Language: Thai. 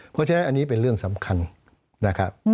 เพราะฉะนั้นอันนี้เป็นเรื่องสำคัญนะครับ